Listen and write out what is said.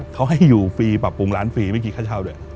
เขาให้อยู่ฟรีปรับปรุงร้านฟรีไม่คิดค่าเช่าด้วย